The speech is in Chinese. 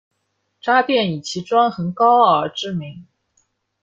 渣甸以其专横高傲而知名。